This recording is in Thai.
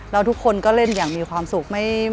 แล้วทุกคนก็เล่นอย่างมีความสุข